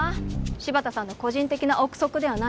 柴田さんの個人的な臆測ではないものを。